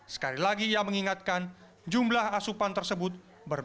sekali lagi ia mengingatkan jumlah asupan tersebut berbeda